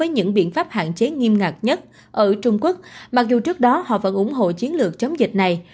nghiêm ngạc nhất ở trung quốc mặc dù trước đó họ vẫn ủng hộ chiến lược chống dịch này